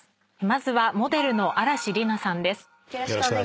まずはモデルの嵐莉菜さんです。